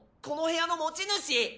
この部屋の持ち主！